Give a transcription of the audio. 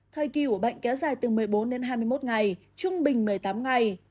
thời kỳ của bệnh kéo dài từ một mươi bốn đến hai mươi một ngày trung bình một mươi tám ngày